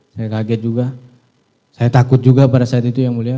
saya kaget juga saya takut juga pada saat itu yang mulia